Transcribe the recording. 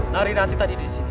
nari nanti tadi di sini